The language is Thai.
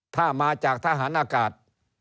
ถ้ามาจากทหารอากาศ